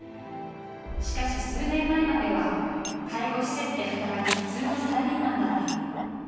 しかし数年前までは介護施設で働く普通のサラリーマンだった。